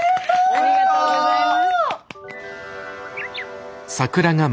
ありがとうございます。